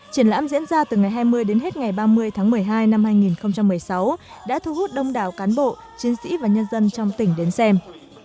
triển lãm diễn ra từ ngày hai mươi đến hết ngày ba mươi tháng một mươi hai năm hai nghìn một mươi sáu đã thu hút đông đảo cán bộ chiến sĩ và nhân dân trong tỉnh đến xem